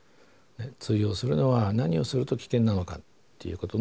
通用するのは何をすると危険なのかっていうことの事実